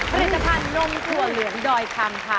ผลิตภัณฑ์นมถั่วเหลืองดอยคำค่ะ